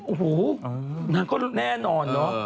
โอ้โหมันก็แน่นอนนะ